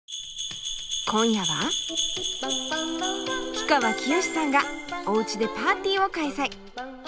氷川きよしさんがおうちでパーティーを開催。